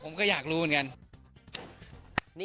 ผมก็อยากรู้เหมือนกัน